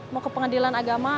mau ke pengadilan agama